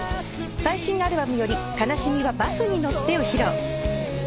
最新アルバムより『悲しみはバスに乗って』を披露。